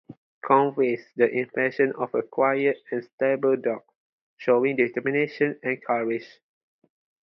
Conveys the impression of a quiet and stable dog showing determination and courage.